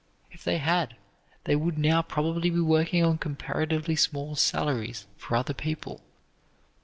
If they had, they would now probably be working on comparatively small salaries for other people.